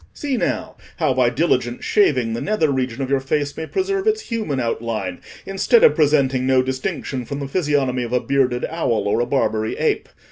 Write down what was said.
See now, how by diligent shaving, the nether region of your face may preserve its human outline, instead of presenting no distinction from the physiognomy of a bearded owl or a Barbary ape.